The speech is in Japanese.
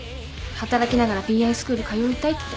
働きながらＰＩスクール通いたいって。